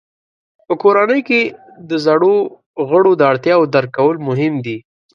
په کورنۍ کې د زړو غړو د اړتیاوو درک کول مهم دي.